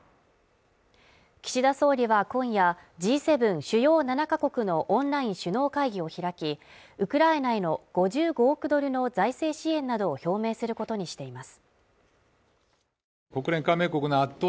岸田総理は今夜、Ｇ７＝主要７カ国のオンライン首脳会議を開きウクライナへの５５億ドルの財政支援などを表明することにしています。